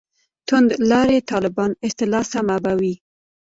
«توندلاري طالبان» اصطلاح سمه به وي.